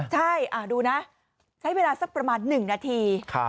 ใช่ดูนะใช้เวลาสักประมาณ๑นาที